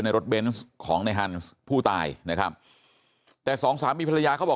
รถเบนส์ของในฮันส์ผู้ตายนะครับแต่สองสามีภรรยาเขาบอก